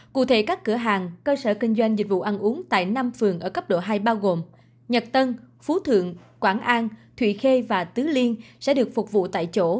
cụ thể các cửa hàng cơ sở kinh doanh dịch vụ ăn uống tại năm phường ở cấp độ hai bao gồm nhật tân phú thượng quảng an thụy khê và tứ liên sẽ được phục vụ tại chỗ